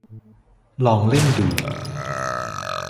ลองเล่นดู